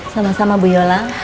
sama sama bu yola